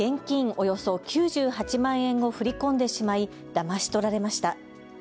およそ９８万円を振り込んでしまい、だまし取られました。